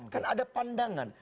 kan ada pandangan